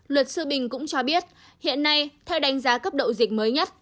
luật sư bình cũng cho biết hiện nay theo đánh giá cấp độ dịch mới nhất